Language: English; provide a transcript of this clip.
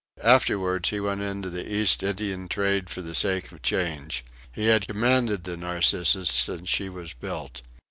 Afterwards he went into the East Indian trade for the sake of change. He had commanded the Narcissus since she was built.